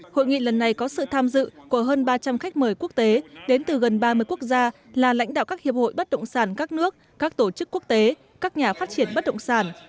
hội nghị lần này có sự tham dự của hơn ba trăm linh khách mời quốc tế đến từ gần ba mươi quốc gia là lãnh đạo các hiệp hội bất động sản các nước các tổ chức quốc tế các nhà phát triển bất động sản